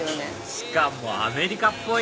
しかもアメリカっぽい！